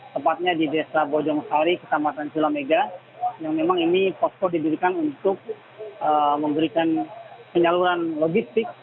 tepatnya di desa bojongkari ketamatan culamega yang memang ini posko didirikan untuk memberikan penyaluran logistik